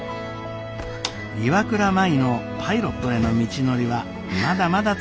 岩倉舞のパイロットへの道のりはまだまだ続きます。